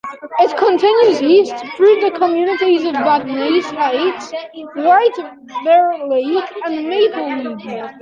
It continues east through the communities of Vadnais Heights, White Bear Lake, and Maplewood.